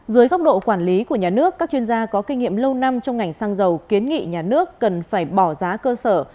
dưới góc độ quản lý của nhà nước các chuyên gia có kinh nghiệm lâu năm trong ngành xăng dầu kiến nghị nhà nước cần phải bỏ giá cơ sở